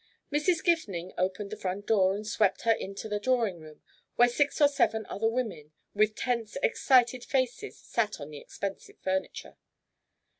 Mrs. Gifning opened the front door and swept her into the drawing room, where six or seven other women with tense excited faces sat on the expensive furniture.